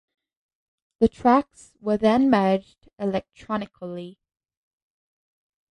The tracks were then merged electronically.